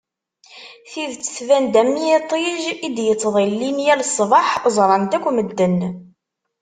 Tidet tban-d am yiṭij i d-yettḍillin yal ṣṣbeḥ ẓran-t akk medden.